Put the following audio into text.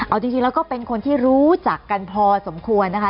เอาจริงแล้วก็เป็นคนที่รู้จักกันพอสมควรนะคะ